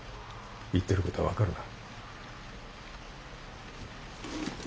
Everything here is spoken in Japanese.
言ってることは分かるな？